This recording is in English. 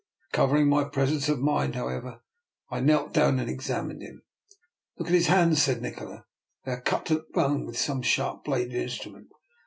Recovering my presence of mind, however, I knelt down and examined him. " Look at his hands !" said Nikola. " They are cut to the bone with some sharp bladed instrument.